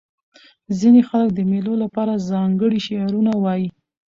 ځیني خلک د مېلو له پاره ځانګړي شعرونه وايي.